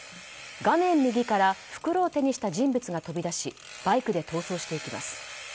画面右から袋を手にした人物が飛び出しバイクで逃走していきます。